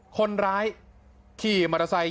คนร้ายขี่มอเตอร์ไซค์